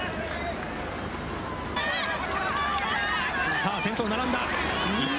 さあ、先頭、並んだ。